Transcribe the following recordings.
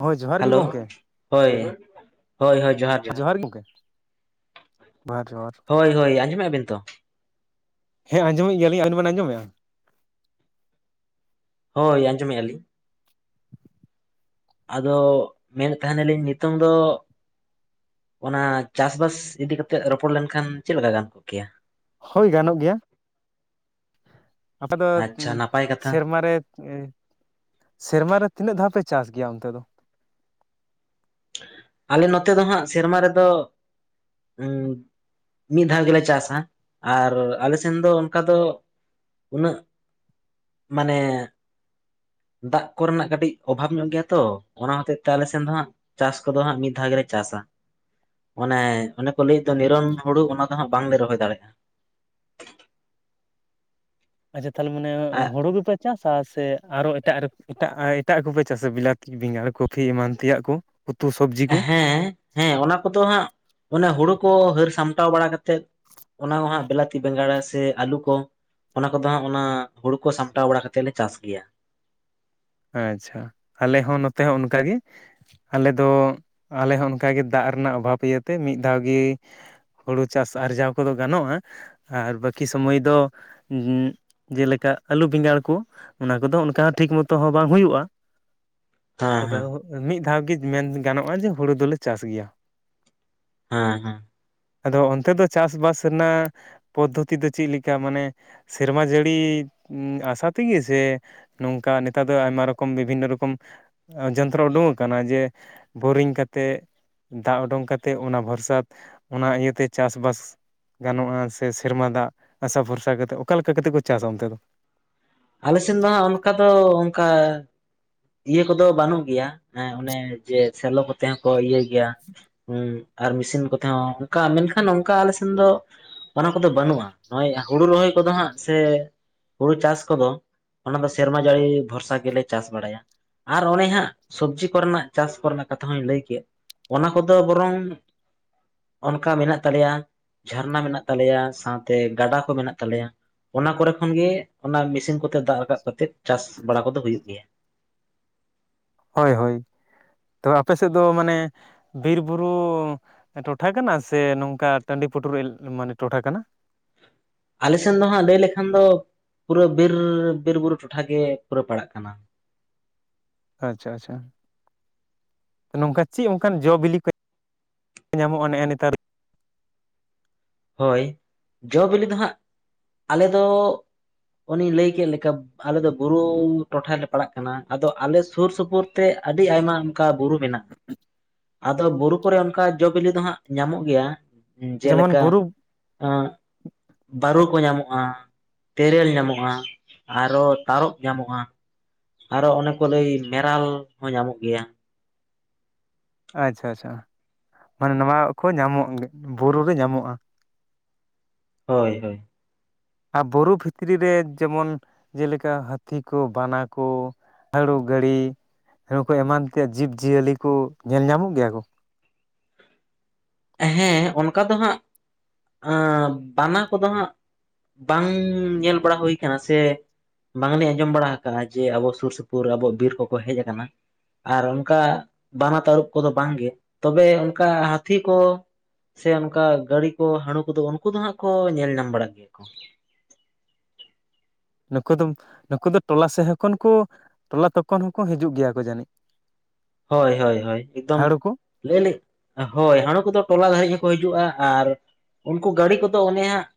ᱦᱳᱭ ᱡᱚᱦᱟᱨ ᱜᱮ ᱦᱮᱞᱳ ᱜᱚᱢᱠᱮ ᱦᱳᱭ ᱦᱳᱭ ᱦᱳᱭ ᱡᱚᱦᱟᱨᱼᱼ ᱡᱚᱦᱟᱨ ᱜᱮ ᱜᱚᱢᱠᱮ ᱡᱚᱦᱟᱨ ᱡᱚᱦᱟᱨᱼᱼ ᱦᱳᱭ ᱦᱳᱭ ᱟᱸᱡᱚᱢᱮᱜ ᱟᱵᱮᱱ ᱛᱚ᱾ ᱦᱮᱸ ᱟᱸᱡᱚᱢᱮᱫ ᱜᱮᱭᱟᱞᱤᱧ ᱟᱵᱮᱱ ᱵᱤᱱ ᱟᱸᱡᱚᱢᱮᱜᱼᱟ᱾ ᱦᱳᱭ ᱟᱡᱚᱢ ᱮᱜ ᱟᱞᱤᱧ᱾ ᱟᱫᱚ ᱢᱮᱱᱮᱫ ᱛᱟᱦᱮᱱᱟᱞᱤᱧ ᱱᱤᱛᱚᱝ ᱫᱚ᱾ ᱚᱱᱟ ᱪᱟᱥᱵᱟᱥ ᱤᱫᱤᱠᱟ ᱠᱟᱛᱮᱜ ᱨᱚᱯᱚᱲ ᱞᱮᱱᱠᱷᱟᱱ ᱪᱮᱫ ᱞᱮᱠᱟ ᱜᱟᱱ ᱠᱚᱜ ᱠᱮᱭᱟ᱾ ᱦᱳᱭ ᱜᱟᱱᱚᱜ ᱜᱮᱭᱟ᱾ ᱟᱯᱮ ᱫᱚ ᱟᱪᱪᱷᱟ ᱱᱟᱯᱟᱭ ᱠᱟᱛᱷᱟ ᱥᱮᱨᱢᱟᱨ ᱨᱮᱼᱼ ᱥᱮᱨᱢᱟ ᱨᱮ ᱛᱤᱱᱟᱹᱜ ᱫᱷᱟᱣ ᱯᱮ ᱪᱟᱥ ᱜᱮᱭᱟ ᱚᱱᱛᱮ ᱫᱚ ᱾ ᱟᱞᱮ ᱱᱚᱛᱮ ᱫᱚ ᱦᱟᱸᱜ ᱥᱮᱨᱢᱟ ᱨᱮᱫᱚ ᱩᱼᱼ ᱢᱤᱫ ᱫᱷᱟᱣ ᱜᱮᱞᱮ ᱪᱟᱥᱟ ᱟᱨ ᱟᱞᱮᱥᱱ ᱫᱚ ᱚᱱᱠᱟ ᱫᱚᱼᱼ ᱩᱱᱟᱹᱜ ᱢᱟᱱᱮᱼᱼ ᱫᱟᱜᱽ ᱠᱚᱨᱮᱱᱟᱜ ᱠᱟᱹᱴᱤᱡ ᱚᱵᱷᱟᱵᱽ ᱧᱚᱜ ᱜᱮᱭᱟ ᱛᱚ ᱚᱱᱟ ᱦᱚᱛᱮᱡ ᱛᱮ ᱟᱞᱮᱥᱱ ᱫᱚ ᱦᱟᱸᱜᱼᱼ ᱪᱟᱥ ᱠᱚᱫᱚ ᱦᱟᱸᱜ ᱢᱤᱫ ᱫᱷᱟᱣ ᱜᱮᱞᱮ ᱪᱟᱥᱟ᱾ ᱚᱱᱮ ᱚᱱᱮ ᱠᱚ ᱞᱟᱹᱭ ᱫᱚ ᱱᱤᱨᱚᱱ ᱦᱩᱲᱩ ᱚᱱᱟ ᱫᱚ ᱦᱟᱸᱜ ᱵᱟᱝᱞᱮ ᱨᱚᱦᱚᱭ ᱫᱟᱲᱮᱭᱟᱜᱼᱟ᱾ ᱟᱪᱪᱷᱟ ᱛᱟᱦᱚᱞᱮ ᱢᱟᱱᱮ ᱦᱳᱲᱳ ᱜᱮᱯᱮᱼᱼ ᱪᱟᱥᱟ ᱥᱮ ᱟᱨᱦᱚᱸ ᱮᱴᱟᱜ ᱮᱴᱟᱜ ᱮᱴᱟᱜ ᱠᱚᱯᱮ ᱪᱟᱥᱟ ᱵᱤᱞᱟᱛᱤ ᱵᱮᱸᱜᱟᱲ ᱠᱚᱯᱤ ᱮᱢᱟᱱ ᱛᱮᱭᱟᱜ ᱠᱚᱼᱼ ᱩᱛᱩ ᱥᱚᱵᱽᱡᱤ᱾ ᱠᱚ ᱦᱮᱸ ᱦᱮᱸ ᱚᱱᱟ ᱠᱚᱫᱚ ᱦᱟᱸᱜ ᱚᱱᱮ ᱦᱳᱲᱳ ᱠᱚ ᱦᱟᱹᱨ ᱥᱟᱢᱴᱟᱣ ᱵᱟᱲᱟ ᱠᱟᱛᱮᱫ, ᱚᱱᱟ ᱠᱚ ᱦᱟᱸᱜ ᱵᱤᱞᱟᱛᱤ ᱵᱮᱸᱜᱟᱲ ᱥᱮ ᱟᱞᱩ ᱠᱚ᱾ ᱚᱱᱟ ᱠᱚᱫᱚ ᱦᱟᱸᱜ ᱚᱱᱟ ᱦᱩᱲᱩ ᱠᱚ ᱥᱟᱢᱴᱟᱣ ᱵᱟᱲᱟ ᱠᱟᱛᱮ ᱞᱮ ᱪᱟᱥ ᱜᱮᱭᱟ᱾ ᱟᱪᱪᱷᱟ ᱟᱞᱮ ᱦᱚᱸ ᱱᱚᱛᱮ ᱦᱚᱸ ᱚᱱᱠᱟᱜᱮ᱾ ᱟᱞᱮ ᱫᱚ, ᱟᱞᱮ ᱦᱚᱸ ᱚᱱᱠᱟᱜᱮ ᱫᱟᱜᱽ ᱨᱮᱱᱟᱜ ᱚᱵᱷᱟᱵᱽ ᱤᱭᱟᱹ ᱛᱮ ᱢᱤᱫ ᱫᱷᱟᱣ ᱜᱤ ᱦᱩᱲᱩ ᱪᱟᱥ ᱟᱨᱡᱟᱣ ᱠᱚᱫᱚ ᱜᱟᱱᱚᱜᱼᱟ ᱟᱨ ᱵᱟᱹᱠᱤ ᱥᱚᱢᱚᱭ ᱫᱚ ᱩ ᱡᱮᱞᱮᱠᱟ ᱟᱹᱞᱩ ᱵᱮᱸᱜᱟᱲ ᱠᱚ, ᱚᱱᱟ ᱠᱚᱫᱚ ᱚᱱᱠᱟ ᱦᱚᱸ ᱴᱷᱤᱠ ᱢᱚ ᱛᱚ ᱦᱚᱸ ᱵᱟᱝ ᱦᱩᱭᱩᱜᱼᱟ, ᱦᱮᱸ ᱛᱚᱵᱮ ᱦᱮᱸ ᱢᱤᱫ ᱫᱷᱟᱣ ᱜᱮ ᱢᱮᱱ ᱜᱟᱱᱚᱜᱼᱟ ᱡᱮ ᱦᱩᱲᱩ ᱫᱚᱞᱮ ᱪᱟᱥ ᱜᱮᱭᱟ᱾ ᱦᱮᱸ ᱦᱮᱸ᱾ ᱟᱫᱚ ᱚᱱᱛᱮ ᱫᱚ ᱪᱟᱥᱵᱟᱥ ᱨᱮᱱᱟᱜ ᱯᱚᱫᱽᱫᱷᱚᱛᱤ ᱫᱚ ᱪᱮᱫ ᱞᱮᱠᱟ ᱢᱟᱱᱮ ᱥᱮᱨᱢᱟ ᱡᱟᱹᱲᱤ ᱟᱥᱟ ᱛᱮᱜᱮ ᱥᱮ ᱱᱚᱝᱠᱟ ᱱᱤ ᱛᱟᱨ ᱫᱚ ᱟᱭᱢᱟ ᱨᱚᱠᱚᱢ ᱵᱤᱵᱷᱤᱱᱱᱚ ᱨᱚᱠᱚᱢ ᱡᱚᱱᱛᱨᱚ ᱩᱰᱩᱠ ᱟᱠᱟᱱᱟ ᱡᱮ ᱵᱳᱨᱤᱝ ᱠᱟᱛᱮᱜ ᱫᱟᱜᱽ ᱩᱰᱩᱝ ᱠᱟᱛᱮᱫ ᱚᱱᱟ ᱵᱷᱚᱨᱥᱟᱛ, ᱚᱱᱟ ᱤᱭᱟᱹᱛᱮ ᱪᱟᱥᱼᱵᱟᱥ ᱜᱟᱱᱚᱜᱼᱟ ᱥᱮ ᱥᱮᱨᱢᱟ ᱫᱟᱜᱽ ᱟᱥᱟ ᱵᱷᱚᱨᱥᱟ ᱠᱟᱛᱮᱫ ᱚᱠᱟ ᱞᱮᱠᱟ ᱠᱟᱛᱮᱫ ᱠᱚ ᱪᱟᱥᱟ ᱚᱱᱛᱮ ᱫᱚ? ᱟᱞᱮ ᱥᱮᱱ ᱫᱚ ᱦᱟᱸᱜ ᱚᱱᱠᱟ ᱫᱚ ᱚᱱᱠᱟ ᱤᱭᱟᱹ ᱠᱚᱫᱚ ᱵᱟᱹᱱᱩᱜ ᱜᱮᱭᱟ ᱦᱮᱸ ᱚᱱᱮ ᱡᱮ ᱥᱮᱞᱚ ᱠᱚᱛᱮ ᱦᱟᱸᱜ ᱠᱚ ᱤᱭᱟᱹ ᱜᱮᱭᱟ᱾ ᱦᱩᱸ ᱟᱨ ᱢᱮᱥᱤᱱ ᱠᱚᱛᱮ ᱦᱚᱸ ᱚᱱᱠᱟ ᱢᱮᱱᱠᱷᱟᱱ ᱚᱱᱠᱟ ᱟᱞᱮ ᱥᱮᱱ ᱫᱚ- ᱚᱱᱟ ᱠᱚᱫᱚ ᱵᱟᱹᱱᱩᱜᱼᱟ, ᱱᱚᱜᱼᱚᱭ ᱦᱩᱲᱩ ᱨᱚᱦᱚᱭ ᱠᱚᱫᱚ ᱦᱟᱸᱜ ᱥᱮ ᱦᱩᱲᱩ ᱪᱟᱥ ᱠᱚᱫᱚ ᱚᱱᱟ ᱫᱚ ᱥᱮᱨᱢᱟ ᱡᱟᱹᱲᱤ ᱵᱷᱚᱨᱥᱟ ᱜᱮᱞᱮ ᱪᱟᱥ ᱵᱟᱲᱟᱭᱟ᱾ ᱟᱨ ᱚᱱᱮ ᱦᱟᱸᱜ ᱥᱚᱵᱽᱡᱤ ᱠᱚᱨᱮᱱᱟᱜ ᱪᱟᱥ ᱠᱚᱨᱮᱱᱟᱜ ᱠᱟᱛᱷᱟ ᱦᱚᱧ ᱞᱟᱹᱭ ᱠᱮᱫ, ᱚᱱᱟ ᱠᱚᱫᱚ ᱵᱚᱨᱚᱝ ᱚᱱᱠᱟ ᱢᱮᱱᱟᱜ ᱛᱟᱞᱮᱭᱟ, ᱡᱷᱟᱨᱱᱟ ᱢᱮᱱᱟᱜ ᱛᱟᱞᱮᱭᱟ ᱥᱟᱶᱛᱮ ᱜᱟᱰᱟ ᱠᱚ ᱢᱮᱱᱟᱜ ᱛᱟᱞᱮᱭᱟ ᱚᱱᱟ ᱠᱚᱨᱮ ᱠᱷᱚᱱ ᱜᱮ ᱚᱱᱟ ᱢᱮᱥᱤᱱ ᱠᱚᱛᱮ ᱫᱟᱜ ᱨᱟᱠᱟᱵ ᱠᱟᱛᱮᱜ ᱪᱟᱥ ᱵᱟᱲᱟ ᱠᱚᱫᱚ ᱦᱩᱭᱩᱜ ᱜᱮᱭᱟ᱾ ᱦᱳᱭ ᱦᱳᱭ, ᱛᱚᱵᱮ ᱟᱯᱮ ᱥᱮᱫ ᱫᱚ ᱢᱟᱱᱮ ᱵᱤᱨ ᱵᱩᱨᱩ ᱴᱚᱴᱷᱟ ᱠᱟᱱᱟ ᱥᱮ ᱱᱚᱝᱠᱟ ᱴᱟᱺᱰᱤ ᱯᱩᱴᱩᱨ ᱮᱞ ᱢᱟᱱᱮ ᱴᱚᱴᱷᱟ ᱠᱟᱱᱟ? ᱟᱞᱮ ᱥᱮᱱ ᱫᱚ ᱦᱟᱸᱜ ᱞᱟᱹᱭ ᱞᱮᱠᱷᱟᱱ ᱫᱚ ᱯᱩᱨᱟᱹ ᱵᱤᱨ ᱵᱤᱨᱵᱩᱨᱩ ᱴᱚᱴᱷᱟ ᱜᱮ ᱯᱩᱨᱟᱹ ᱯᱟᱲᱟᱜ ᱠᱟᱱᱟ᱾ ᱟᱪᱪᱷᱟ ᱟᱪᱪᱷᱟ᱾ ᱱᱚᱝᱠᱟ ᱪᱮᱜ ᱚᱱᱠᱟᱱ ᱡᱚ ᱵᱤᱞᱤ ᱠᱚ ᱧᱟᱢᱚᱜᱼᱟ ᱱᱮᱜᱼᱮ ᱱᱮᱛᱟᱨ? ᱦᱳᱭ, ᱡᱚ ᱵᱤᱞᱤ ᱫᱚ ᱦᱟᱸᱜ, ᱟᱞᱮ ᱫᱚ, ᱚᱱᱮᱧ ᱞᱟᱹᱭ ᱠᱮᱜ ᱞᱮᱠᱟ, ᱟᱞᱮ ᱫᱚ ᱵᱩᱨᱩ ᱴᱚᱴᱷᱟ ᱞᱮ ᱯᱟᱲᱟᱜ ᱠᱟᱱᱟ ᱟᱫᱚ ᱟᱞᱮ ᱥᱩᱨ ᱥᱩᱯᱩᱨ ᱛᱮ ᱟᱹᱰᱤ ᱟᱭᱢᱟ ᱚᱱᱠᱟ ᱵᱩᱨᱩ ᱢᱮᱱᱟᱜᱼᱟ᱾ [inaudible] ᱟᱫᱚ ᱵᱩᱨᱩ ᱠᱚᱨᱮ ᱚᱱᱠᱟ ᱡᱚ ᱵᱤᱞᱤ ᱫᱚ ᱦᱟᱸᱜ ᱧᱟᱢᱚᱜ ᱜᱮᱭᱟ᱾ ᱡᱮᱢᱚᱱ ᱵᱩᱨᱩ ᱮᱸ ᱵᱟᱹᱨᱩ ᱠᱚ ᱧᱟᱢᱚᱜᱼᱟ, ᱛᱮᱨᱮᱞ ᱧᱟᱢᱚᱜᱼᱟ, ᱟᱨᱚ ᱛᱟᱨᱚᱵ ᱧᱟᱢᱚᱜᱼᱟ, ᱟᱨᱚ ᱚᱱᱮ ᱠᱚ ᱞᱟᱹᱭ ᱢᱮᱨᱟᱞ ᱦᱚᱸ ᱧᱟᱢᱚᱜ ᱜᱮᱭᱟ᱾ ᱟᱪᱪᱷᱟ ᱟᱪᱪᱷᱟ, ᱢᱟᱱᱮ ᱱᱚᱣᱟ ᱠᱚ ᱧᱟᱢᱚᱜ ᱵᱩᱨᱩ ᱨᱮ ᱧᱟᱢᱚᱜᱼᱟ᱾ ᱦᱳᱭ ᱦᱳᱭ᱾ ᱟᱨ ᱵᱩᱨᱩ ᱵᱷᱤᱛᱨᱤ ᱨᱮ ᱡᱮᱢᱚᱱ ᱡᱮᱞᱮᱠᱟ ᱦᱟᱹᱛᱤ ᱠᱚ ᱵᱟᱱᱟ ᱠᱚ ᱦᱟᱹᱲᱩ ᱜᱟᱹᱲᱤ, ᱡᱟᱹᱲᱤ ᱠᱚ ᱮᱢᱟᱱ ᱛᱮᱭᱟᱜ ᱡᱤᱵᱽᱡᱤᱭᱟᱹᱞᱤ ᱠᱚ ᱧᱮᱞ ᱧᱟᱢᱚᱜ ᱜᱮᱭᱟ ᱠᱚ? ᱦᱮᱸ ᱚᱱᱠᱟ ᱫᱚ ᱦᱟᱸᱜ, ᱟ ᱸ ᱵᱟᱱᱟ ᱠᱚᱫᱚ ᱦᱟᱸᱜ ᱵᱟᱝ ᱧᱮᱞ ᱵᱟᱲᱟ ᱦᱩᱭ ᱠᱟᱱᱟ ᱥᱮ ᱵᱟᱝᱞᱤᱧ ᱟᱸᱡᱚᱢ ᱵᱟᱲᱟ ᱟᱠᱟᱜᱼᱟ ᱡᱮ ᱟᱵᱚ ᱥᱩᱨ ᱥᱩᱯᱩᱨ ᱟᱵᱚ ᱵᱤᱨ ᱠᱚᱠᱚ ᱦᱮᱡ ᱟᱠᱟᱱᱟ᱾ ᱟᱨ ᱚᱱᱠᱟ ᱵᱟᱱᱟ ᱛᱟᱹᱨᱩᱵ ᱠᱚᱫᱚ ᱵᱟᱝᱜᱮ, ᱛᱚᱵᱮ ᱚᱱᱠᱟ ᱦᱟᱹᱛᱤ ᱠᱚ, ᱥᱮ ᱚᱱᱠᱟ ᱜᱟᱹᱲᱤ ᱠᱚ ᱦᱟᱹᱬᱩ ᱠᱚᱫᱚ ᱩᱱᱠᱩ ᱫᱚ ᱦᱟᱸᱜ ᱠᱚ ᱧᱮᱞ ᱧᱟᱢ ᱵᱟᱲᱟᱜ ᱜᱮᱭᱟ ᱠᱚ᱾ ᱱᱩᱠᱩ ᱫᱚᱢ ᱱᱩᱠᱩ ᱫᱚ ᱴᱚᱞᱟ ᱥᱮᱜ ᱦᱚᱸ ᱠᱷᱚᱱ ᱠᱚ ᱴᱚᱞᱟ ᱛᱚᱠᱚᱱ ᱦᱚᱸᱠᱚ ᱦᱤᱡᱩᱜ ᱜᱮᱭᱟ ᱠᱚ ᱡᱟᱹᱱᱤᱡ᱾ [inaudible] ᱦᱳᱭ ᱦᱳᱭ ᱦᱳᱭ ᱮᱠᱫᱚᱢ ᱦᱟᱹᱲᱩ ᱠᱚ ᱞᱟᱹᱭ ᱟᱹᱞᱤᱧ ᱦᱳᱭ ᱦᱟᱹᱬᱩ ᱠᱚᱫᱚ ᱴᱚᱞᱟ ᱫᱷᱟᱹᱨᱤᱡ ᱦᱚᱸᱠᱚ ᱦᱤᱡᱩᱜᱼᱟ ᱟᱨ ᱩᱱᱠᱩ ᱜᱟᱹᱲᱤ ᱠᱚᱫᱚ ᱚᱱᱮ ᱦᱟᱸᱜ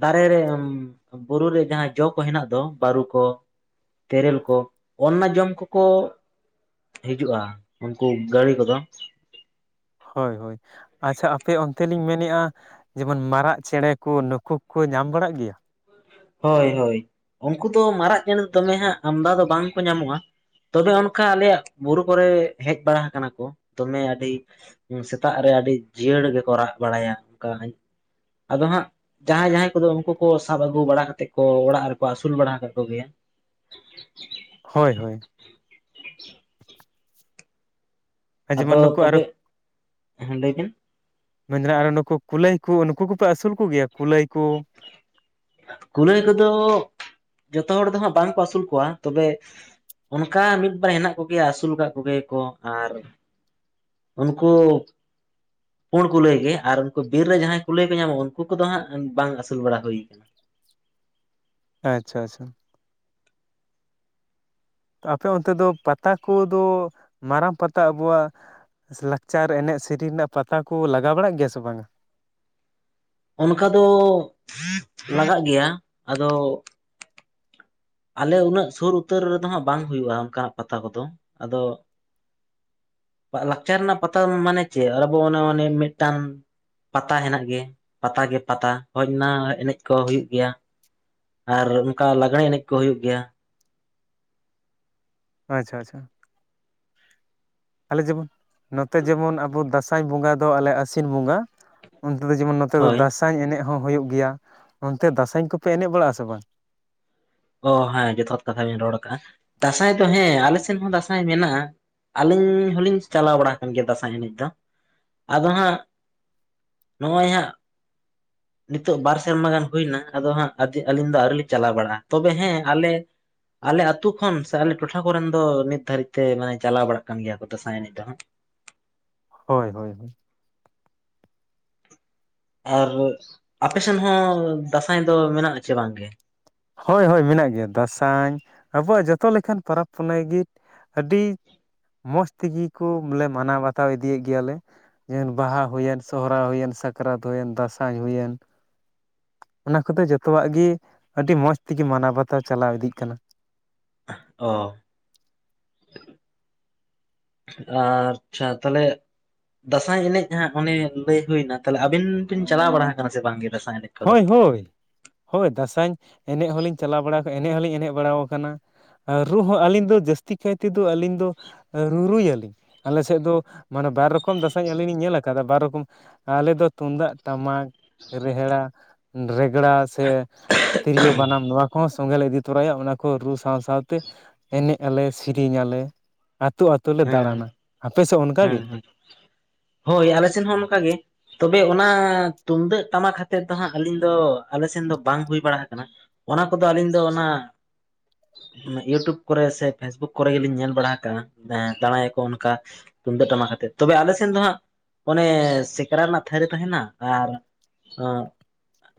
ᱫᱟᱨᱮ ᱨᱮ ᱵᱩᱨᱩ ᱨᱮ ᱡᱟᱦᱟᱸ ᱡᱚ ᱠᱚ ᱦᱮᱱᱟᱜ ᱫᱚ ᱵᱟᱹᱨᱩ ᱠᱚ ᱛᱮᱨᱮᱞ ᱠᱚ ᱚᱱᱱᱟ ᱡᱚᱢ ᱠᱚᱠᱚ ᱦᱤᱡᱩᱜᱼᱟ᱾ ᱩᱱᱠᱩ ᱜᱟᱹᱬᱤ ᱠᱚᱫᱚ᱾ ᱦᱳᱭ ᱦᱳᱭ᱾ ᱟᱪᱪᱷᱟ ᱟᱯᱮ ᱚᱱᱛᱮ ᱞᱤᱧ ᱢᱮᱱᱮᱜᱼᱟ, ᱡᱮᱢᱚᱱ ᱢᱟᱨᱟᱜ ᱪᱮᱬᱮ ᱠᱩ ᱱᱩᱠᱩ ᱠᱩᱠᱩ ᱧᱟᱢ ᱵᱟᱲᱟᱜ ᱜᱮᱭᱟ? ᱦᱳᱭ ᱦᱳᱭ, ᱩᱱᱠᱩ ᱫᱚ ᱢᱟᱨᱟᱜ ᱪᱮᱬᱮ ᱫᱚᱢᱮ ᱦᱟᱸᱜ ᱟᱢᱫᱟ ᱫᱚ ᱵᱟᱝ ᱠᱚ ᱧᱟᱢᱚᱜᱼᱟ᱾ ᱛᱚᱵᱮ ᱚᱱᱠᱟ ᱟᱞᱮᱭᱟᱜ ᱵᱩᱨᱩ ᱠᱚᱨᱮ ᱦᱮᱡ ᱵᱟᱲᱟ ᱦᱟᱠᱟᱱᱟ ᱠᱚ ᱫᱚᱢᱮ ᱟᱹᱰᱤ ᱥᱮᱛᱟᱜ ᱨᱮ ᱟᱹᱰᱤ ᱡᱤᱭᱟᱹᱲ ᱜᱮᱠᱚ ᱨᱟᱜ ᱵᱟᱲᱟᱭᱟ ᱚᱱᱠᱟ ᱟᱫᱚ ᱦᱟᱸᱜ ᱡᱟᱦᱟᱸᱭ ᱡᱟᱦᱟᱸᱭ ᱠᱚᱫᱚ ᱩᱝᱠᱩ ᱠᱚ ᱥᱟᱵ ᱟᱹᱜᱩ ᱵᱟᱲᱟ ᱠᱟᱛᱮᱫ ᱠᱚ ᱚᱲᱟᱜ ᱨᱮᱠᱚ ᱟᱹᱥᱩᱞ ᱵᱟᱲᱟ ᱟᱠᱟᱜ ᱠᱚ ᱜᱮᱭᱟ᱾ ᱦᱳᱭ ᱦᱳᱭ᱾ ᱟ ᱡᱮᱢᱚᱱ ᱟᱫᱚ ᱱᱩᱠᱩ ᱟᱨᱚ ᱛᱚᱵᱮ ᱦᱮᱸ ᱞᱟᱹᱭ ᱵᱤᱱ ᱢᱮᱱᱫᱟᱹᱱ ᱟᱨᱚ ᱱᱩᱠᱩ ᱠᱩᱞᱟᱹᱭ ᱠᱩ ᱱᱩᱠᱩ ᱠᱚᱯᱮ ᱟᱹᱥᱩᱞ ᱠᱚᱜᱮᱭᱟ ᱠᱩᱞᱟᱹᱭ ᱠᱩ? ᱠᱩᱞᱟᱹᱭ ᱠᱚᱫᱚ ᱡᱚᱛᱚ ᱦᱚᱲ ᱫᱚ ᱦᱟᱸᱜ ᱵᱟᱝ ᱠᱚ ᱟᱹᱥᱩᱞ ᱠᱚᱣᱟ, ᱛᱚᱵᱮ ᱚᱱᱠᱟ ᱢᱤᱫ ᱵᱟᱨ ᱦᱮᱱᱟᱜ ᱠᱚᱜᱮᱭᱟ ᱟᱹᱥᱩᱞ ᱠᱟᱫ ᱠᱚᱜᱮᱭᱟ ᱠᱚ, ᱟᱨ ᱩᱱᱠᱩ ᱯᱩᱬ ᱠᱩᱞᱟᱹᱭ ᱜᱮ ᱟᱨ ᱩᱱᱠᱩ ᱵᱤᱨ ᱨᱮ ᱡᱟᱦᱟᱸᱭ ᱠᱩᱞᱟᱹᱭ ᱠᱚ ᱧᱟᱢᱚᱜᱼᱟ, ᱩᱱᱠᱩ ᱠᱚᱫᱚ ᱦᱟᱸᱜ ᱵᱟᱝ ᱟᱹᱥᱩᱞ ᱵᱟᱲᱟ ᱦᱩᱭ ᱠᱟᱱᱟ᱾ ᱟᱪᱪᱷᱟ ᱟᱪᱪᱷᱟ᱾ ᱛᱚ ᱟᱯᱮ ᱚᱱᱛᱮ ᱫᱚ ᱯᱟᱛᱟ ᱠᱩ ᱫᱚ ᱢᱟᱨᱟᱝ ᱯᱟᱛᱟ ᱟᱵᱚᱣᱟᱜ ᱞᱟᱠᱪᱟᱨ ᱮᱱᱮᱡ ᱥᱮᱨᱮᱧ ᱨᱮᱱᱟᱜ ᱯᱟᱛᱟ ᱠᱩ ᱞᱟᱜᱟᱣ ᱵᱟᱲᱟᱜ ᱜᱮᱭᱟ ᱥᱮ ᱵᱟᱝᱟ? ᱚᱱᱠᱟ ᱫᱚ ᱞᱟᱜᱟᱜ ᱜᱮᱭᱟ, ᱟᱫᱚ ᱟᱞᱮ ᱩᱱᱟᱹᱜ ᱥᱩᱨ ᱩᱛᱟᱹᱨ ᱨᱮᱫᱚ ᱦᱟᱸᱜ ᱵᱟᱝ ᱦᱩᱭᱩᱜᱼᱟ ᱚᱝᱠᱟᱱᱟᱜ ᱯᱟᱛᱟ ᱠᱚᱫᱚ᱾ ᱟᱫᱚ ᱞᱟᱠᱪᱟᱨ ᱨᱮᱱᱟᱜ ᱯᱟᱛᱟ ᱢᱟᱱᱮ ᱪᱮᱫ? ᱟᱵᱚ ᱚᱱᱮ ᱚᱱᱟ ᱢᱮᱫᱴᱟᱝ ᱯᱟᱛᱟ ᱦᱮᱱᱟᱜ ᱜᱮ ᱯᱟᱛᱟ ᱜᱮ ᱯᱟᱛᱟ ᱦᱳᱭ ᱚᱱᱟ ᱮᱱᱮᱡ ᱠᱚ ᱦᱩᱭᱩᱜ ᱜᱮᱭᱟ᱾ ᱟᱨ ᱚᱱᱠᱟ ᱞᱟᱜᱽᱬᱮ ᱮᱱᱮᱡ ᱠᱚ ᱦᱳᱭᱳᱜ ᱜᱮᱭᱟ᱾ ᱟᱪᱪᱷᱟ ᱟᱪᱪᱷᱟ᱾ ᱟᱞᱮ ᱡᱮᱢᱚᱱ ᱱᱚᱛᱮ ᱡᱮᱢᱚᱱ ᱟᱵᱚ ᱫᱟᱥᱟᱸᱭ ᱵᱚᱸᱜᱟ ᱫᱚ ᱟᱞᱮ ᱟᱹᱥᱤᱱ ᱵᱚᱸᱜᱟ᱾ ᱚᱱᱛᱮ ᱫᱚ ᱡᱮᱢᱚᱱ ᱱᱚᱛᱮ ᱫᱚ ᱦᱳᱭ ᱫᱟᱥᱟᱸᱭ ᱮᱱᱮᱡ ᱦᱚᱸ ᱦᱳᱭᱳᱜ ᱜᱮᱭᱟ᱾ ᱚᱱᱛᱮ ᱫᱟᱥᱟᱧ ᱠᱚᱯᱮ ᱮᱱᱮᱡ ᱵᱟᱲᱟᱜᱼᱟ ᱥᱮ ᱵᱟᱝ? ᱚ ᱦᱮᱸ ᱡᱚᱛᱷᱟᱛ ᱠᱟᱛᱷᱟ ᱵᱮᱱ ᱨᱚᱲ ᱟᱠᱟᱫᱟᱼᱟ᱾ ᱫᱟᱥᱟᱸᱭ ᱫᱚ ᱦᱮᱸ ᱟᱞᱮ ᱥᱮᱱ ᱦᱚᱸ ᱫᱟᱥᱟᱸᱭ ᱢᱮᱱᱟᱜᱼᱟ᱾ ᱟᱹᱞᱤᱧ ᱦᱚᱸᱞᱤᱧ ᱪᱟᱞᱟᱣ ᱵᱟᱲᱟ ᱟᱠᱟᱱ ᱜᱮᱭᱟ ᱫᱟᱥᱟᱸᱭ ᱮᱱᱮᱡ ᱫᱚ, ᱟᱫᱚ ᱦᱟᱸᱜ ᱱᱚᱜᱼᱚᱭ ᱦᱟᱸᱜ ᱱᱤᱛᱚᱜ ᱵᱟᱨ ᱥᱮᱨᱢᱟ ᱜᱟᱱ ᱦᱩᱭᱮᱱᱟ ᱟᱫᱚ ᱦᱟᱸᱜ ᱟᱹᱞᱤᱧ ᱫᱚ ᱟᱹᱣᱨᱤ ᱞᱤᱧ ᱪᱟᱞᱟᱣ ᱵᱟᱲᱟᱜᱼᱟ, ᱛᱚᱵᱮ ᱦᱮᱸ ᱟᱞᱮ ᱟᱞᱮ ᱟᱹᱛᱩ ᱠᱷᱚᱱ ᱥᱮ ᱟᱞᱮ ᱴᱚᱴᱷᱟ ᱠᱚᱨᱮᱱ ᱫᱚ ᱱᱤᱛ ᱫᱷᱟᱹᱨᱤᱡ ᱛᱮ ᱢᱟᱱᱮ ᱪᱟᱞᱟᱣ ᱵᱟᱲᱟᱜ ᱠᱟᱱ ᱜᱮᱭᱟ ᱠᱚ ᱫᱟᱥᱟᱸᱭ ᱮᱱᱮᱡ ᱫᱚ ᱦᱟᱸᱜ᱾ ᱦᱳᱭ ᱦᱳᱭ ᱦᱳᱭ᱾ ᱟᱨ ᱟᱯᱮ ᱥᱮᱫ ᱦᱚᱸ ᱫᱟᱥᱟᱸᱭ ᱫᱚ ᱢᱮᱱᱟᱜᱼᱟ ᱪᱮ ᱵᱟᱝ ᱜᱮ? ᱦᱳᱭ ᱦᱳᱭ ᱢᱮᱱᱟᱜ ᱜᱮᱭᱟ ᱫᱟᱥᱟᱧ ᱟᱵᱚᱣᱟᱜ ᱡᱚᱛᱚ ᱞᱮᱠᱟᱱ ᱯᱚᱨᱚᱵᱽ ᱯᱩᱱᱟᱹᱭ ᱜᱤ ᱟᱹᱰᱤ ᱢᱚᱸᱡᱽ ᱛᱤᱜᱤ ᱠᱚ ᱵᱚᱞᱮ ᱢᱟᱱᱟᱣ ᱵᱟᱛᱟᱣ ᱤᱫᱤᱭᱮᱫ ᱜᱮᱭᱟᱞᱮ᱾ ᱡᱮᱢᱚᱱ ᱵᱟᱦᱟ ᱦᱩᱭᱮᱱ, ᱥᱚᱦᱨᱟᱭ ᱦᱩᱭᱮᱱ, ᱥᱟᱠᱨᱟᱛ ᱦᱩᱭᱮᱱ, ᱫᱟᱥᱟᱸᱭ ᱦᱩᱭᱮᱱ᱾ ᱚᱱᱟ ᱠᱚᱫᱚ ᱡᱚᱛᱚᱣᱟᱜ ᱜᱤ ᱟᱹᱰᱤ ᱢᱚᱸᱡᱽ ᱛᱤᱜᱤ ᱢᱟᱱᱟᱣ ᱵᱟᱛᱟᱣ ᱪᱟᱞᱟᱣ ᱤᱫᱤᱜ ᱠᱟᱱᱟ᱾ ᱚ᱾ [unintelligible] ᱟᱪᱪᱷᱟ ᱛᱟᱦᱚᱞᱮ ᱫᱟᱸᱥᱟᱭ ᱮᱱᱮᱡ ᱦᱟᱸᱜ ᱚᱱᱮ ᱞᱟᱹᱭ ᱦᱩᱭᱱᱟ ᱛᱟᱞᱦᱮ ᱟᱹᱵᱤᱱ ᱵᱤᱱ ᱪᱟᱞᱟᱣ ᱵᱟᱲᱟ ᱟᱠᱟᱱᱟ ᱥᱮ ᱵᱟᱝᱜᱮ ᱫᱟᱥᱟᱸᱭ ᱮᱱᱮᱡ? ᱠᱚᱫᱚ ᱦᱚᱭ ᱦᱳᱭ ᱦᱳᱭ ᱫᱟᱥᱟᱧ ᱮᱱᱮᱡ ᱦᱚᱸᱞᱤᱧ ᱪᱟᱞᱟᱣ ᱵᱟᱲᱟ ᱠᱟᱱᱟ ᱮᱱᱮᱡ ᱦᱚᱸᱞᱤᱧ ᱮᱱᱮᱡ ᱵᱟᱲᱟ ᱠᱟᱱᱟ ᱟᱨ ᱨᱩ ᱦᱚᱸ ᱟᱹᱞᱤᱧ ᱫᱚ ᱡᱟᱹᱥᱛᱤ ᱠᱟᱭ ᱛᱮᱫᱚ ᱟᱹᱞᱤᱧ ᱫᱚ ᱨᱩᱨᱩᱭᱟᱞᱤᱧ ᱟᱞᱮ ᱥᱮᱫ ᱫᱚ ᱢᱟᱱᱮ ᱵᱟᱨ ᱨᱚᱠᱚᱢ ᱫᱟᱥᱟᱸᱭ ᱟᱹᱞᱤᱧ ᱞᱤᱧ ᱧᱮᱞ ᱟᱠᱟᱫᱟ ᱵᱟᱨ ᱨᱚᱠᱚᱢ ᱟᱞᱮ ᱫᱚ ᱛᱩᱢᱫᱟᱜ, ᱴᱟᱢᱟᱠ, ᱨᱮᱦᱮᱲᱟ ᱨᱮᱜᱽᱲᱟ ᱥᱮ ᱛᱤᱨᱭᱳ, ᱵᱟᱱᱟᱢ ᱱᱚᱣᱟ ᱠᱚᱦᱚᱸ ᱥᱚᱸᱜᱮ ᱞᱮ ᱤᱫᱤ ᱛᱚᱨᱟᱭᱟ ᱚᱱᱟ ᱠᱚ ᱨᱩ ᱥᱟᱶ ᱥᱟᱶᱛᱮ ᱮᱱᱮᱡ ᱟᱞᱮ ᱥᱮᱨᱮᱧ ᱟᱞᱮ ᱟᱹᱛᱩ ᱟ. ᱛᱩ ᱞᱮ ᱦᱮᱸ ᱫᱟᱲᱟᱱᱟ ᱟᱯᱮᱥᱮᱫ ᱚᱱᱠᱟ ᱜᱮ [unintelligible] ᱦᱚᱭ ᱟᱞᱮ ᱥᱮᱱ ᱦᱚᱸ ᱚᱱᱠᱟ ᱜᱮ ᱛᱚᱵᱮ ᱚᱱᱟᱻ ᱛᱩᱢᱫᱟᱜ ᱴᱟᱢᱟᱠ ᱦᱟᱛᱮᱫ ᱫᱚ ᱦᱟᱸᱜ ᱟᱹᱞᱤᱧ ᱫᱚ ᱟᱞᱮ ᱥᱮᱱ ᱫᱚ ᱵᱟᱝ ᱦᱩᱭ ᱵᱟᱲᱟ ᱟᱠᱟᱱᱟ ᱚᱱᱟ ᱠᱚᱫᱚ ᱟᱹᱞᱤᱧ ᱫᱚ ᱚᱱᱟ ᱤᱭᱩᱴᱩᱵ ᱠᱚᱨᱮ ᱥᱮ ᱯᱷᱮᱥᱵᱩᱠ ᱠᱚᱨᱮ ᱜᱮᱞᱤᱧ ᱧᱮᱞ ᱵᱟᱲᱟ ᱟᱠᱟᱜᱼᱟ ᱮᱸ ᱫᱟᱲᱟᱭᱟᱠᱚ ᱚᱱᱠᱟ ᱛᱩᱢᱫᱟᱹᱜ ᱴᱟᱢᱟᱠ ᱦᱟᱛᱮᱜ ᱛᱚᱵᱮ ᱟᱞᱮ ᱥᱮᱱ ᱫᱚ ᱦᱟᱸᱜ ᱚᱱᱮᱻ ᱥᱮᱠᱨᱟ ᱨᱮᱱᱟᱜ ᱛᱷᱟᱹᱨᱤ ᱛᱟᱦᱮᱱᱟ ᱟᱨ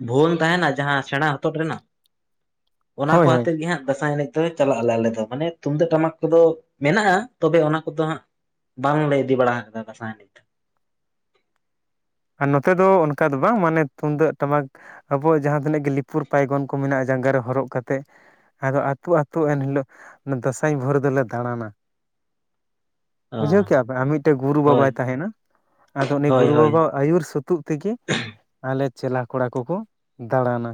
ᱵᱷᱩᱣᱟᱹᱝ ᱛᱟᱦᱮᱱᱟ ᱡᱟᱦᱟᱸ ᱥᱮᱲᱟ ᱦᱚᱛᱚᱫ ᱨᱮᱱᱟᱜ ᱚᱱᱟ ᱠᱚ ᱦᱳᱭ ᱦᱳᱭ ᱦᱟᱛᱮᱫ ᱜᱮ ᱦᱟᱸᱜ ᱫᱟᱥᱟᱸᱭ ᱮᱱᱮᱡ ᱫᱚ ᱪᱟᱞᱟᱜ ᱟᱞᱮ ᱟᱞᱮ ᱫᱚ ᱢᱟᱱᱮ ᱛᱩᱢᱫᱟᱹᱜ ᱴᱟᱢᱟᱠ ᱠᱚᱫᱚ ᱢᱮᱱᱟᱜᱼᱟ ᱛᱚᱵᱮ ᱚᱱᱟ ᱠᱚᱫᱚ ᱦᱟᱸᱜ ᱵᱟᱝᱞᱮ ᱤᱫᱤ ᱵᱟᱲᱟ ᱠᱟᱫᱟ ᱫᱟᱥᱟᱸᱭ ᱱᱤᱛ ᱟᱨ ᱱᱚᱛᱮ ᱫᱚ ᱚᱱᱠᱟ ᱫᱚ ᱵᱟᱝ ᱢᱟᱱᱮ ᱛᱩᱢᱫᱟᱹᱜ ᱴᱟᱢᱟᱠ ᱟᱵᱚᱣᱟᱜ ᱡᱟᱦᱟᱸ ᱛᱤᱱᱟᱹᱜ ᱜᱮ ᱞᱤᱯᱩᱨ ᱯᱟᱭᱜᱚᱱ ᱠᱚ ᱢᱮᱱᱟᱜᱼᱟ ᱡᱟᱸᱜᱟ ᱨᱮ ᱦᱚᱨᱚᱜ ᱠᱟᱛᱮᱫᱼᱼ ᱟᱫᱚ ᱟᱹᱛᱩ ᱟᱹᱛᱩ ᱮᱱᱦᱤᱞᱚᱜ ᱫᱟᱥᱟᱸᱭ ᱵᱷᱩᱨ ᱫᱚᱞᱮ ᱫᱟᱲᱟᱱᱟ। ᱚ ᱵᱩᱡᱷᱟᱹᱣ ᱠᱮᱜ ᱟᱯᱮ ᱟᱨ ᱢᱤᱫᱴᱮᱡ ᱜᱩᱨᱩ ᱦᱳᱭ ᱵᱟᱵᱟᱭ ᱛᱟᱦᱮᱱᱟ ᱟᱫᱚ ᱩᱱᱤ ᱦᱳᱭ ᱜᱩᱨᱩ ᱦᱳᱭ ᱵᱟᱵᱟ ᱟᱹᱭᱩᱨ ᱥᱟᱹᱛᱩᱜ ᱛᱮᱜᱮ ᱟᱞᱮ ᱪᱮᱞᱟ ᱠᱚᱲᱟ ᱠᱚᱠᱚ ᱫᱟᱲᱟᱱᱟ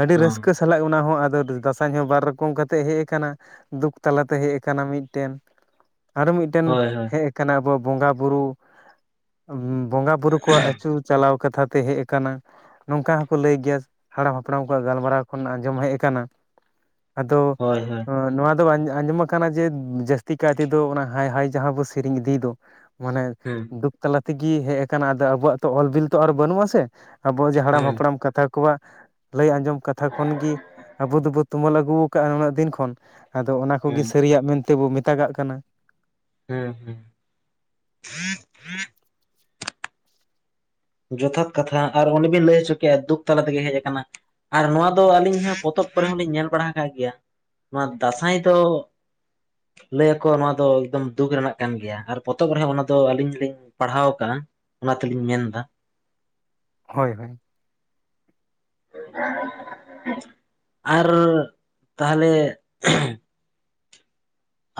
ᱟᱹᱰᱤ ᱚ ᱨᱟᱹᱥᱠᱟᱹᱼᱼ ᱥᱟᱞᱟᱜ ᱚᱱᱟ ᱦᱚᱸ ᱟᱫᱚ ᱫᱟᱥᱟᱸᱭ ᱦᱚᱸ ᱵᱟᱨ ᱨᱚᱠᱚᱢ ᱠᱟᱛᱮᱫ ᱦᱮᱡ ᱟᱠᱟᱱᱟ ᱫᱩᱠ ᱛᱟᱞᱟ ᱛᱮ ᱦᱮᱡ ᱟᱠᱟᱱᱟ ᱢᱤᱫᱴᱮᱱ ᱟᱨᱚ ᱢᱤᱫᱴᱟᱝ ᱦᱳᱭ ᱦᱳᱭ ᱦᱮᱡ ᱟᱠᱟᱱᱟ ᱟᱵᱚ ᱵᱚᱸᱜᱟᱼᱵᱩᱨᱩ ᱩᱸ ᱵᱚᱸᱜᱟ ᱵᱩᱨᱩ ᱠᱚᱣᱟᱜ ᱟᱹᱪᱩ ᱪᱟᱞᱟᱣ ᱠᱟᱛᱷᱟ ᱛᱮ ᱦᱮᱡ ᱟᱠᱟᱱᱟᱼᱼ ᱱᱚᱝᱠᱟ ᱦᱚᱸᱠᱚ ᱞᱟᱹᱭ ᱜᱮᱭᱟ ᱦᱟᱲᱟᱢ ᱦᱟᱯᱲᱟᱢ ᱠᱚᱣᱟᱜ ᱜᱟᱞᱢᱟᱨᱟᱣ ᱠᱷᱚᱱ ᱟᱡᱚᱢ ᱦᱮᱡ ᱟᱠᱟᱱᱟ ᱟᱫᱚ ᱦᱳᱭ ᱦᱳᱭ ᱱᱚᱣᱟ ᱫᱚ ᱟᱸᱡᱚᱢ ᱟᱠᱟᱱᱟ ᱡᱮ ᱡᱟᱹᱥᱛᱤ ᱠᱟᱭ ᱛᱮᱫᱚ ᱚᱱᱟ ᱦᱟᱭ ᱦᱟᱭ ᱡᱟᱦᱟᱸ ᱵᱚ ᱥᱮᱨᱮᱧ ᱤᱫᱤᱭ ᱫᱚ ᱢᱟᱱᱮ ᱦᱩᱸ ᱫᱩᱠ ᱛᱟᱞᱟ ᱛᱮᱜᱮ ᱦᱮᱡ ᱟᱠᱟᱱᱟ ᱟᱫᱚ ᱟᱵᱚᱣᱟᱜ ᱛᱚ ᱚᱞ ᱵᱤᱞ ᱛᱚ ᱟᱨ ᱵᱟᱹᱱᱩᱜ ᱟ ᱥᱮ ᱟᱵᱚᱣᱟᱜ ᱡᱮ ᱦᱟᱲᱟᱢ ᱦᱩᱸ ᱦᱟᱯᱲᱟᱢ ᱠᱟᱛᱷᱟ ᱠᱚᱣᱟᱜ ᱞᱟᱹᱭ ᱟᱸᱡᱚᱢ ᱠᱟᱛᱷᱟ ᱠᱷᱚᱱᱜᱮ ᱟᱵᱚ ᱫᱚᱵᱚ ᱛᱩᱢᱟᱹᱞ ᱟᱹᱜᱩ ᱠᱟᱜᱼᱟ ᱩᱱᱟᱹᱜ ᱫᱤᱱ ᱠᱷᱚᱱ ᱟᱫᱚ ᱚᱱᱟ ᱠᱚᱜᱮ ᱦᱩᱸ ᱥᱟᱹᱨᱤᱭᱟᱜ ᱢᱮᱱᱛᱮᱵᱚ ᱢᱮᱛᱟᱜᱟᱜ ᱠᱟᱱᱟ ᱦᱮᱸ ᱦᱮᱸ ᱡᱚᱛᱷᱟᱛ ᱠᱟᱛᱷᱟ ᱟᱨ ᱚᱱᱮ ᱵᱤᱱ ᱞᱟᱹᱭ ᱦᱚᱪᱚ ᱠᱮᱫ ᱫᱩᱠ ᱛᱟᱞᱟ ᱛᱮᱜᱮ ᱦᱮᱡ ᱟᱠᱟᱱᱟ ᱟᱨ ᱱᱚᱣᱟ ᱫᱚ ᱟᱹᱞᱤᱧ ᱦᱚᱸ ᱯᱚᱛᱚᱵ ᱠᱚᱨᱮ ᱦᱚᱸᱞᱤᱧ ᱧᱮᱞ ᱵᱟᱲᱟ ᱟᱠᱟᱫ ᱜᱮᱭᱟ ᱱᱚᱣᱟ ᱫᱟᱸᱥᱟᱭ ᱫᱚ ᱞᱟᱹᱭᱟᱠᱚ ᱱᱚᱣᱟ ᱫᱚ ᱮᱠᱫᱚᱢ ᱫᱩᱠ ᱨᱮᱱᱟᱜ ᱠᱟᱱ ᱜᱮᱭᱟ ᱟᱨ ᱯᱚᱛᱚᱵ ᱨᱮᱦᱚᱸ ᱚᱱᱟ ᱫᱚ ᱟᱹᱞᱤᱧ ᱞᱤᱧ ᱯᱟᱲᱦᱟᱣ ᱟᱠᱟᱜᱼᱟ ᱚᱱᱟ ᱛᱮᱞᱤᱧ ᱢᱮᱱ ᱫᱟ ᱦᱳᱭ ᱦᱳᱭ ᱟᱨ ᱛᱟᱞᱦᱮ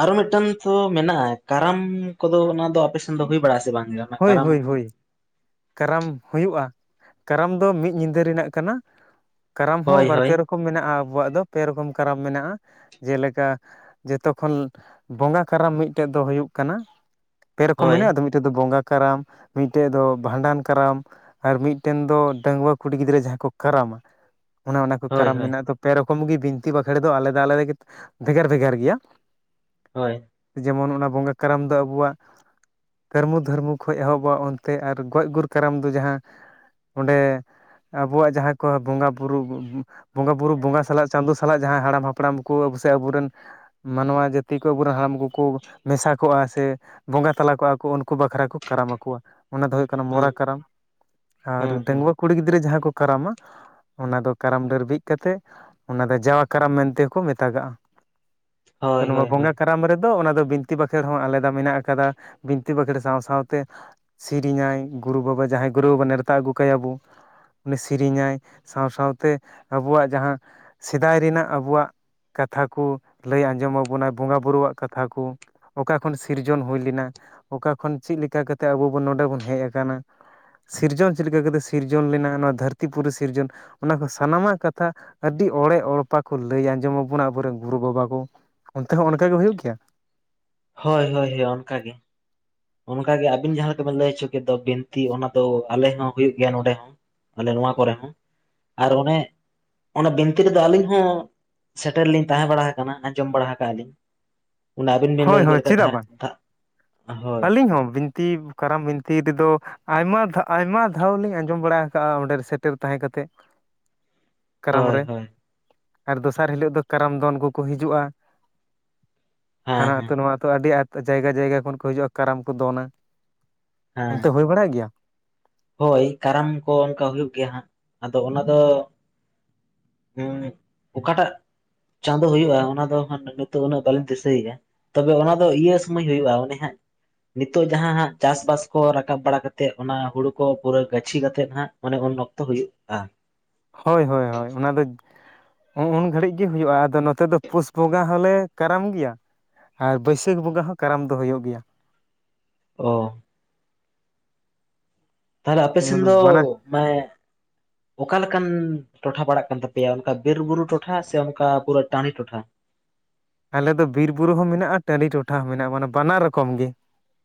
ᱟᱨᱚ ᱢᱤᱫᱴᱟᱝ ᱛᱚ ᱢᱮᱱᱟᱜᱼᱟ ᱠᱟᱨᱟᱢ ᱠᱚᱫᱚ ᱚᱱᱟ ᱫᱚ ᱟᱯᱮᱥᱮᱱ ᱫᱚ ᱦᱩᱭ ᱵᱟᱲᱟᱜ ᱟ ᱥᱮ ᱵᱟᱝᱟ ᱚᱱᱟ ᱦᱳᱭ ᱠᱟᱨᱟᱢ? ᱦᱳᱭ ᱦᱳᱭ ᱠᱟᱨᱟᱢ ᱦᱩᱭᱩᱜᱼᱟ, ᱠᱟᱨᱟᱢ ᱫᱚ ᱢᱤᱫ ᱧᱤᱫᱟᱹ ᱨᱮᱱᱟᱜ ᱠᱟᱱᱟ, ᱠᱟᱨᱟᱢ ᱦᱚᱸ ᱦᱳᱭ ᱵᱟᱨ ᱦᱳᱭ ᱯᱮ ᱠᱚ ᱢᱮᱱᱟᱜᱼᱟ ᱟᱵᱚᱣᱟᱜ ᱫᱚ ᱯᱮ ᱨᱚᱠᱚᱢ ᱠᱟᱨᱟᱯ ᱢᱮᱱᱟᱜᱼᱟ, ᱡᱮᱞᱮᱠᱟ ᱡᱚᱛᱚ ᱠᱷᱚᱱ ᱵᱚᱸᱜᱟ ᱠᱟᱨᱟᱢ ᱢᱤᱫᱴᱮᱱ ᱫᱚ ᱦᱩᱭᱩᱜ ᱠᱟᱱᱟ, ᱯᱮ ᱨᱚᱠᱚᱢ ᱦᱳᱭ ᱢᱮᱱᱟᱜ ᱟᱛᱚ, ᱢᱤᱫᱴᱮᱡ ᱫᱚ ᱵᱚᱸᱜᱟ ᱠᱟᱨᱟᱢ ᱢᱤᱫᱴᱮᱡ ᱫᱚ ᱵᱷᱟᱸᱰᱟᱱ ᱠᱟᱨᱟᱢ ᱟᱨ ᱢᱤᱫᱴᱮᱱ ᱫᱚ ᱰᱟᱹᱟᱹᱜᱣᱟᱹ ᱠᱩᱲᱤ ᱜᱤᱫᱽᱨᱟᱹ ᱡᱟᱦᱟᱸ ᱠᱚ ᱠᱟᱨᱟᱢᱟ᱾ ᱚᱱᱮ ᱚᱱᱟ ᱠᱚ ᱦᱳᱭ ᱠᱟᱨᱟᱢ ᱦᱳᱭ ᱢᱮᱱᱟᱜᱼᱟ ᱛᱚ ᱯᱮ ᱨᱚᱠᱚᱢ ᱜᱮ ᱵᱤᱱᱛᱤ ᱵᱟᱠᱷᱲ ᱫᱚ ᱟᱞᱮ ᱫᱚ ᱟᱞᱮ ᱫᱚ ᱵᱷᱮᱜᱟᱨ ᱵᱷᱮᱜᱟᱨ ᱜᱮᱭᱟ᱾ ᱦᱳᱭ᱾ ᱡᱮᱢᱚᱱ ᱚᱱᱟ ᱵᱚᱸᱜᱟ ᱠᱟᱨᱟᱢ ᱫᱚ ᱟᱵᱚᱣᱟᱜ ᱠᱟᱹᱨᱢᱩ ᱫᱷᱟᱹᱨᱢᱩ ᱠᱷᱚᱱ ᱮᱦᱚᱵᱼᱟ, ᱚᱱᱛᱮ ᱟᱨ ᱜᱚᱡ ᱜᱩᱨ ᱠᱟᱨᱟᱢ ᱫᱚ ᱡᱟᱦᱟᱸ ᱚᱸᱰᱮ ᱟᱵᱚᱣᱟᱜ ᱡᱟᱦᱟᱸ ᱠᱚᱣᱟᱜ ᱵᱚᱸᱜᱟ ᱵᱩᱨᱩ ᱵᱚᱸᱜᱟ ᱵᱩᱨᱩ ᱵᱚᱸᱜᱟ ᱥᱟᱞᱟᱜ ᱪᱟᱸᱫᱚ ᱥᱟᱞᱟᱜ ᱡᱟᱦᱟᱸ ᱦᱟᱲᱟᱢ ᱦᱟᱯᱲᱟᱢ ᱠᱚ ᱥᱮ ᱟᱵᱩᱨᱮᱱ ᱢᱟᱱᱣᱟ ᱡᱟᱹᱛᱤ ᱠᱚ ᱟᱵᱚᱨᱮᱱ ᱦᱟᱲᱟᱢ ᱠᱚᱠᱚ ᱢᱮᱥᱟ ᱠᱚᱜᱼᱟ, ᱥᱮ ᱵᱚᱸᱜᱟ ᱛᱟᱞᱟ ᱠᱚᱜᱼᱟ ᱠᱚ ᱩᱱᱠᱩ ᱵᱟᱠᱷᱨᱟ ᱠᱚ ᱠᱟᱨᱟᱢ ᱟᱠᱚᱣᱟ᱾ ᱚᱱᱟ ᱫᱚ ᱦᱩᱭᱩᱜ ᱠᱟᱱᱟ ᱦᱮᱸ ᱢᱚᱨᱟ ᱠᱟᱨᱟᱢ, ᱟᱨ ᱦᱮᱸ ᱦᱮᱸ ᱰᱟᱺᱝᱜᱩᱣᱟᱹ ᱠᱩᱲᱤ ᱜᱤᱫᱽᱨᱟᱹ ᱡᱟᱦᱟᱸ ᱠᱚ ᱠᱟᱨᱟᱢᱟ, ᱚᱱᱟ ᱫᱚ ᱠᱟᱨᱟᱢ ᱰᱟᱹᱨ ᱵᱤᱫ ᱠᱟᱛᱮ, ᱚᱱᱟ ᱫᱚ ᱡᱟᱣᱟ ᱠᱟᱨᱟᱢ ᱢᱮᱱᱛᱮᱠᱚ ᱢᱮᱛᱟᱜᱟᱜᱼᱟ᱾ ᱛᱚ ᱦᱳᱭ ᱱᱚᱣᱟ ᱦᱳᱭ ᱵᱚᱸᱜᱟ ᱦᱳᱭ ᱠᱟ ᱠᱟᱨᱟᱢ ᱨᱮᱫᱚ ᱚᱱᱟ ᱫᱚ ᱵᱤᱱᱛᱤ ᱵᱟᱸᱠᱷᱮᱲ ᱦᱚᱸ ᱟᱞᱟᱫᱟ ᱢᱮᱱᱟᱜ ᱠᱟᱫᱟ, ᱵᱤᱱᱛᱤ ᱵᱟᱸᱠᱷᱮᱬ ᱥᱟᱶ-ᱥᱟᱶᱛᱮ, ᱥᱮᱨᱮᱧᱟᱭ ᱜᱩᱨᱩ ᱵᱟᱵᱟ ᱡᱟᱦᱟᱸᱭ ᱜᱩᱨᱩ ᱵᱟᱵᱟ ᱱᱮᱨᱛᱟ ᱟᱹᱜᱩ ᱠᱟᱭᱟ ᱵᱚᱱ ᱩᱱᱤ ᱥᱮᱨᱮᱧᱟᱭ ᱥᱟᱶ-ᱥᱟᱶᱛᱮ ᱟᱵᱚᱣᱟᱜ ᱡᱟᱦᱟᱸ ᱥᱮᱫᱟᱭ ᱨᱮᱱᱟᱜ ᱟᱵᱚᱣᱟᱜ ᱠᱟᱛᱷᱟ ᱠᱩ ᱞᱟᱹᱭ ᱟᱸᱡᱚᱢ ᱟᱵᱚᱱᱟᱭ ᱵᱚᱸᱜᱟ ᱵᱩᱨᱩᱣᱟᱜ ᱠᱟᱛᱷᱟ ᱠᱩ᱾ ᱚᱠᱟ ᱠᱷᱚᱱ ᱥᱤᱨᱡᱚᱱ ᱦᱩᱭ ᱞᱮᱱᱟ, ᱚᱠᱟ ᱠᱷᱚᱱ ᱪᱮᱫ ᱞᱮᱠᱟ ᱠᱟᱛᱮᱫ ᱟᱵᱚ ᱵᱚᱱ ᱱᱚᱰᱮ ᱵᱚᱱ ᱦᱮᱡ ᱠᱟᱱᱟ, ᱥᱤᱨᱡᱚᱱ ᱪᱮᱫ ᱞᱮᱠᱟ ᱠᱟᱛᱮᱫ ᱥᱤᱨᱡᱚᱱ ᱞᱮᱱᱟ ᱱᱚᱣᱟ ᱫᱷᱟᱹᱨᱛᱤ ᱯᱩᱨᱤ ᱥᱤᱨᱡᱚᱱ ᱚᱱᱟ ᱠᱚ ᱥᱟᱱᱟᱢᱟᱜ ᱠᱟᱛᱷᱟ ᱟᱹᱰᱤ ᱚᱲᱮ ᱚᱲᱯᱟ ᱠᱚ ᱞᱟᱹᱭ ᱟᱸᱡᱚᱢ ᱟᱵᱚᱱᱟ ᱟᱵᱚ ᱨᱮᱱ ᱜᱩᱨᱩ ᱵᱟᱵᱟ ᱠᱚ᱾ ᱚᱱᱛᱮ ᱦᱚᱸ ᱚᱱᱠᱟ‌ ᱜᱮ ᱦᱩᱭᱩᱜ ᱜᱮᱭᱟ? ᱦᱳᱭ ᱦᱳᱭ ᱦᱳᱭ ᱚᱱᱠᱟ ᱜᱮ᱾ ᱚᱱᱠᱟᱜᱮ ᱟᱵᱤᱱ ᱡᱟᱦᱟᱸ ᱞᱮᱠᱟᱵᱤᱱ ᱞᱟᱹᱭ ᱦᱚᱪᱚ ᱠᱮᱫ ᱫᱚ ᱵᱤᱱᱛᱤ ᱚᱱᱟ ᱫᱚ ᱟᱞᱮ ᱦᱚᱸ ᱦᱩᱭᱩᱜ ᱜᱮᱭᱟ ᱱᱚᱸᱰᱮ ᱦᱚᱸ᱾ ᱟᱞᱮ ᱱᱚᱣᱟ ᱠᱚᱨᱮ ᱦᱚᱸ ᱟᱨ ᱚᱱᱮ ᱚᱱᱟ ᱵᱤᱱᱛᱤ ᱨᱮᱫᱚ ᱟᱹᱞᱤᱧ ᱦᱚᱸ ᱥᱮᱴᱮᱨ ᱞᱤᱧ ᱛᱟᱦᱮᱸ ᱵᱟᱲᱟ ᱠᱟᱱᱟ ᱟᱸᱡᱚᱢ ᱵᱟᱲᱟ ᱠᱟᱜᱼᱟ ᱞᱤᱧ᱾ ᱚᱱᱟ ᱟᱵᱤᱱ ᱵᱤᱱ ᱦᱳᱭ ᱞᱟᱹᱭ ᱦᱳᱭ ᱠᱮᱫ ᱞᱮᱠᱟ ᱫᱷᱟᱨ ᱫᱷᱟᱜ ᱦᱳᱭ᱾ [unintelligible] ᱛᱤ ᱠᱟᱨᱟᱢ ᱵᱤᱱᱛᱤ ᱨᱮᱫᱚ ᱟᱭᱢᱟ ᱫᱷᱟ ᱟᱭᱢᱟ ᱫᱷᱟᱣ ᱞᱤᱧ ᱟᱸᱡᱚᱢ ᱵᱟᱲᱟ ᱠᱟᱜᱼᱟ ᱚᱸᱰᱮ ᱥᱮᱴᱮᱨ ᱛᱟᱦᱮᱸ ᱠᱟᱛᱮ᱾ ᱠᱟᱨᱟᱢ ᱦᱳᱭ ᱨᱮ ᱦᱳᱭ ᱟᱨ ᱫᱚᱥᱟᱨ ᱦᱤᱞᱳᱜ ᱫᱚ ᱠᱟᱨᱟᱢ ᱫᱚᱱ ᱠᱚᱠᱚ ᱦᱤᱡᱩᱜᱼᱟ᱾ ᱦᱮᱸ ᱦᱟᱱᱟ ᱟᱹᱛᱩ‌ ᱦᱮᱸ ᱱᱚᱣᱟ ᱟᱹᱛᱩ ᱟᱹᱰᱤ ᱡᱟᱭᱜᱟ ᱡᱟᱭᱜᱟ ᱠᱷᱚᱱ ᱠᱚ ᱦᱤᱡᱩᱜᱼᱟ ᱠᱟᱨᱟᱢ ᱠᱚ ᱫᱚᱱᱟ᱾ ᱦᱮᱸ ᱚᱱᱛᱮ ᱦᱩᱭ ᱵᱟᱲᱟᱜ ᱜᱮᱭᱟ? ᱦᱳᱭ ᱠᱟᱨᱟᱢ ᱠᱚ ᱚᱝᱠᱟ ᱦᱩᱭᱩᱜ ᱜᱮᱭᱟ ᱦᱟᱸᱜ, ᱟᱫᱚ ᱚᱱᱟ ᱫᱚ [unintelligible] ᱚᱠᱟᱴᱟᱜ ᱪᱟᱸᱫᱩ ᱦᱩᱭᱩᱜᱼᱟ, ᱚᱱᱟ ᱫᱚ ᱦᱟᱸᱜ ᱱᱤᱛᱚᱜ ᱩᱱᱟᱹᱜ ᱵᱟᱞᱤᱧ ᱫᱤᱥᱟᱹᱭᱮᱜᱼᱟ᱾ ᱛᱚᱵᱮ ᱚᱱᱟ ᱫᱚ ᱤᱭᱟᱹ ᱥᱚᱢᱳᱭ ᱦᱩᱭᱩᱜ-ᱟ ᱚᱱᱮ ᱦᱟᱸᱜ ᱱᱤᱛᱚᱜ ᱡᱟᱦᱟᱸ ᱦᱟᱸᱜ ᱪᱟᱥᱵᱟᱥ ᱠᱚ ᱨᱟᱠᱟᱵ ᱵᱟᱲᱟ ᱠᱟᱛᱮᱫ ᱚᱱᱟ ᱦᱩᱲᱩ ᱠᱚ ᱯᱩᱨᱟᱹ ᱜᱟᱹᱪᱷᱤ ᱠᱟᱛᱮᱫ ᱦᱟᱸᱜ ᱚᱱᱮ ᱩᱱ ᱚᱠᱛᱚ ᱦᱩᱭᱩᱜ-ᱟ᱾ ᱦᱳᱭ ᱦᱳᱭ ᱦᱳᱭ ᱚᱱᱟ ᱫᱚ ᱩᱸ ᱩᱱ ᱜᱷᱟᱹᱲᱤᱡ ᱜᱤ ᱦᱩᱭᱩᱜ-ᱟ ᱟᱫᱚ ᱱᱚᱛᱮ ᱫᱚ ᱯᱩᱥ ᱵᱚᱸᱜᱟ ᱦᱚᱸᱞᱮ ᱠᱟᱨᱟᱢ ᱜᱤᱭᱟ᱾ ᱟᱨ ᱵᱟᱹᱭᱥᱟᱹᱠᱷ ᱵᱚᱸᱜᱟ ᱦᱚᱸ ᱠᱟᱨᱟᱢ ᱫᱚ ᱦᱩᱭᱩᱜ ᱜᱮᱭᱟ᱾ ᱚ ᱛᱟᱞᱦᱮ ᱟᱯᱮ ᱚᱱᱟ ᱥᱮᱱ ᱫᱚ ᱵᱟᱱᱟ ᱢᱟᱱᱮ ᱚᱠᱟ ᱞᱮᱠᱟᱱ ᱴᱚᱴᱷᱟ ᱯᱟᱲᱟᱜ ᱠᱟᱱ ᱛᱟᱯᱮᱭᱟ ᱚᱱᱠᱟ ᱵᱤᱨ ᱵᱩᱨᱩ ᱴᱚᱴᱷᱟ ᱥᱮ ᱚᱱᱠᱟ ᱯᱩᱨᱟᱹ ᱴᱟᱺᱰᱤ ᱴᱚᱴᱷᱟ? ᱟᱞᱮ ᱫᱚ ᱵᱤᱨ ᱵᱩᱨᱩ ᱦᱚᱸ ᱢᱮᱱᱟᱜ-ᱟ ᱴᱟᱺᱰᱤ ᱴᱚᱴᱷᱟ ᱦᱚᱸ ᱢᱮᱱᱟᱜ-ᱟ ᱢᱟᱱᱮ ᱵᱟᱱᱟᱨ ᱨᱚᱠᱚᱢ ᱜᱮ